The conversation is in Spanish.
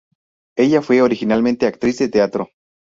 Ella fue originalmente actriz de teatro.